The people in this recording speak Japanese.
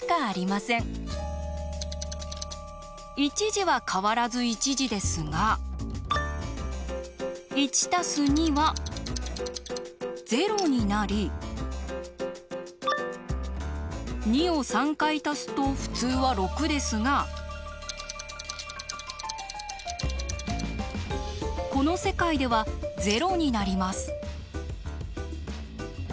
１時は変わらず１時ですが１＋２＝０になり２を３回足すと普通は６ですがこの世界では０になります。